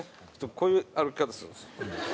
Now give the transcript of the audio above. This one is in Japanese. こういう歩き方するんですよ。